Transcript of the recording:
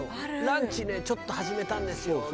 ランチねちょっと始めたんですよ